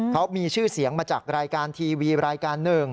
เขามีชื่อเสียงมาจากรายการทีวีรายการหนึ่ง